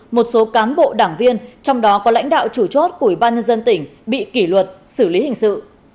một số cán bộ đảng viên trong đó có lãnh đạo chủ chốt của ủy ban nhân dân tỉnh bị kỷ luật xử lý hình sự